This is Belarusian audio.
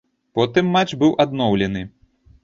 Потым матч быў адноўлены.